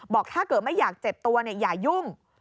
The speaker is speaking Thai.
บอกถ้าเกิดไม่อยากเจ็บตัวอย่ายุ่ง